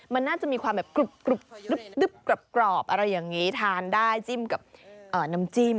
มันน่าจะมีความแบบกรุบกรอบอะไรอย่างนี้ทานได้จิ้มกับน้ำจิ้ม